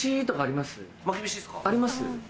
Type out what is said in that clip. あります？